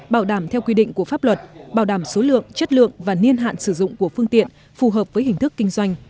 bảo đảm theo quy định của pháp luật bảo đảm số lượng chất lượng và niên hạn sử dụng của phương tiện phù hợp với hình thức kinh doanh